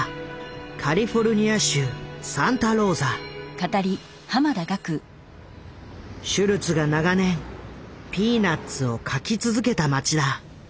カリフォルニア州シュルツが長年「ピーナッツ」を描き続けた町だ。